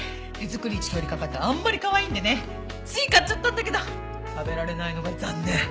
手作り市通りかかったらあんまりかわいいんでねつい買っちゃったんだけど食べられないのが残念。